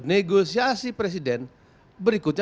negosiasi presiden berikutnya